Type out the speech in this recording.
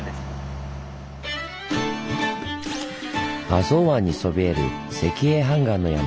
浅茅湾にそびえる石英斑岩の山。